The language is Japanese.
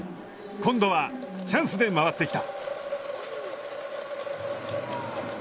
今度はチャンスで回ってきた。